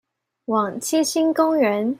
往七星公園